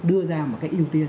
đưa ra một cái ưu tiên